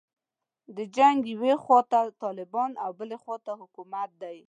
د جنګ یوې خواته طالبان او بلې خواته حکومت دی.